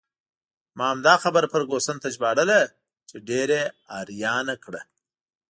ما همدا خبره فرګوسن ته ژباړله چې ډېر یې حیرانه کړه.